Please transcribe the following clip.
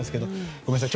ごめんなさい